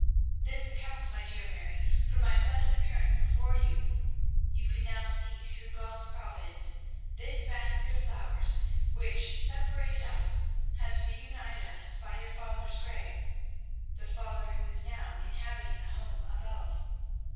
This accounts, my dear Mary, for my sudden appearance before you. You can now see, through God's providence, this basket of flowers which separated us has reunited us by your father's grave that father who is now inhabiting the home above."